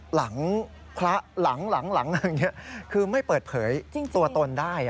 หลังพระหลังนี้คือไม่เปิดเผยตัวตนได้